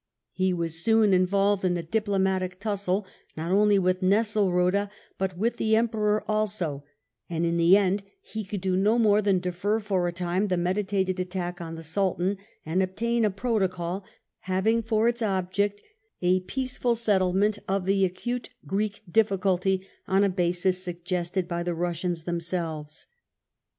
He was soon involved in a diplomatic tussle, not only with Nesselrode, but with the Emperor also ; and in the end he could do no more than defer for a time the meditated attack on the Sultan, and obtain a protocol, having for its object a peaceful settlement of the acute Greek difficulty on a basis suggested by the Eussians themselves.